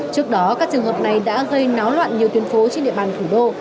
trước đó các trường hợp này đã gây náo loạn nhiều tuyến phố trên địa bàn thủ đô